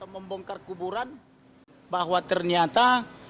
membongkar kuburan bahwa ternyata